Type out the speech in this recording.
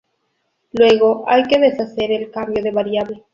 Luego hay que deshacer el cambio de variable.